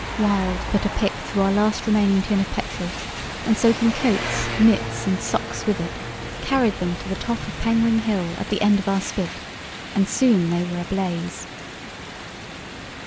"Wild put a pick through our last remaining tin of petrol, and soaking coats, mitts, and socks with it, carried them to the top of Penguin Hill at the end of our spit, and soon, they were ablaze.